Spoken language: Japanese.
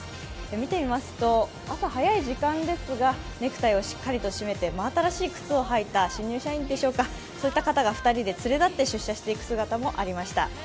見てみますと、朝早い時間ですがネクタイをしっかりと締めて真新しい靴を履いた新入社員でしょうか、そういう方が２人で連れ立って出社していく様子もありました。